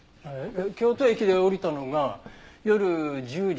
京都駅で降りたのが夜１０時３０分。